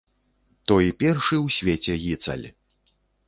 Той першы ў свеце гіцаль!